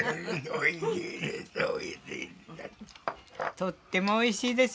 とってもおいしいです。